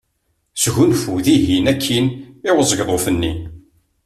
Sgunfu dihin akkin i uzegḍuf-nni.